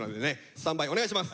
スタンバイお願いします。